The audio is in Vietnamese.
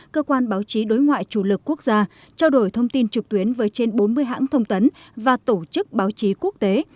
cơ quan báo chí đối ngoại chủ lực quốc gia trao đổi thông tin trực tuyến với trên bốn mươi hãng thông tấn và tổ chức báo chí quốc tế